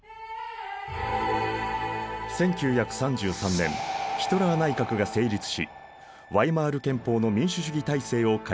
１９３３年ヒトラー内閣が成立しワイマール憲法の民主主義体制を解体。